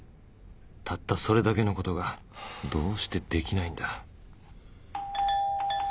たったそれだけのことがどうしてできないんだ！？